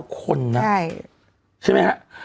ใช่ใช่มั้ยฮะ